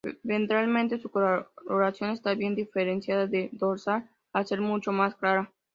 Ventralmente su coloración está bien diferenciada de la dorsal, al ser mucho más clara.